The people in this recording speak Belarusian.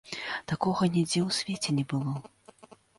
Такога нідзе ў свеце не было!